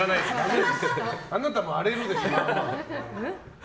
あなたも荒れるでしょ？